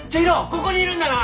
ここにいるんだな！？